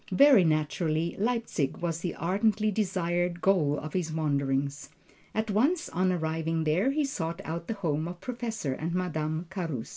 Very naturally Leipzig was the ardently desired goal of his wanderings. At once on arriving there, he sought out the home of Professor and Madame Carus.